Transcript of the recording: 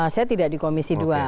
saya tidak di komisi dua